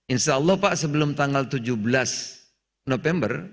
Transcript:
insyaallah pak sebelum tanggal tujuh belas november